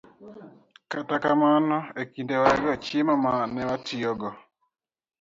Kata kamano, e kindewagi, chiemo ma ne itiyogo